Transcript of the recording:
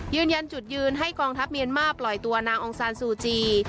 ยืนยันจุดยืนให้กองทัพเมียนมาร์ปล่อยตัวนางองซานซูจี